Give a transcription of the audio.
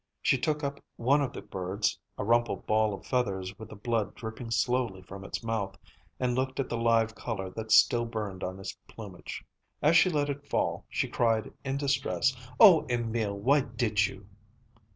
She took up one of the birds, a rumpled ball of feathers with the blood dripping slowly from its mouth, and looked at the live color that still burned on its plumage. As she let it fall, she cried in distress, "Oh, Emil, why did you?"